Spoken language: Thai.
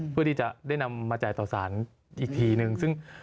เพื่อที่จะได้นำมาจ่ายต่อสารอีกทีนึงซึ่ง